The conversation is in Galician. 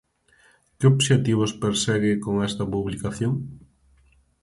Que obxectivos persegue con esta publicación?